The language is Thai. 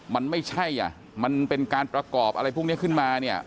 มันไม่ใช่อ่ะมันเป็นการประกอบอะไรพวกนี้ขึ้นมาเนี่ย